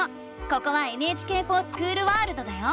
ここは「ＮＨＫｆｏｒＳｃｈｏｏｌワールド」だよ！